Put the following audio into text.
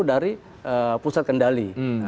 dari pusat kendali